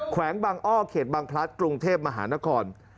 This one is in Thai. แวงบางอ้อเขตบางพลัดกรุงเทพมหานคร